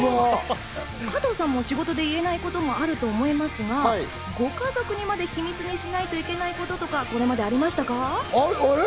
加藤さんも仕事で言えないことがあると思いますが、ご家族にまで秘密にしないといけないこととか、これまでありましあれ？